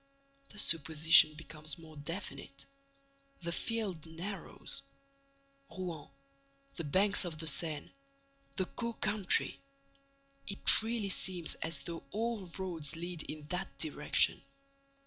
_ The supposition becomes more definite. The field narrows. Rouen, the banks of the Seine, the Caux country: it really seems as though all roads lead in that direction.